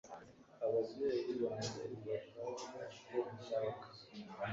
ababyeyi banjye ntibashaka ko nshaka